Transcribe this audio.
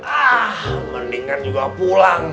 ah mendingan juga pulang